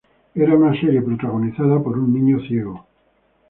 Era una serie protagonizada por un niño ciego.